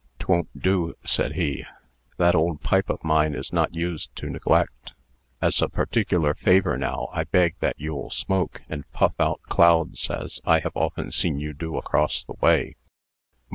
"'Twon't do," said he. "That old pipe of mine is not used to neglect. As a particular favor, now, I beg that you'll smoke, and puff out clouds, as I have often seen you do across the way."